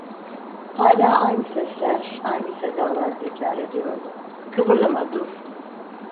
Hâlâ aynı sesler, aynı sedalar tekrar ediyordu: "Kıpırdama, dur…"